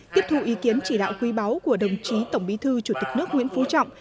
tiếp thu ý kiến chỉ đạo quý báu của đồng chí tổng bí thư chủ tịch nước nguyễn phú trọng